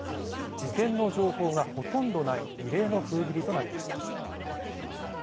事前の情報がほとんどない異例の封切りとなりました。